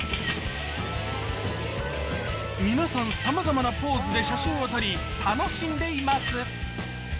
さまざまなポーズで写真を撮り楽しんでいます